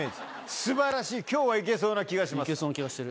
すばらしい、きょうはいけそうな気がします。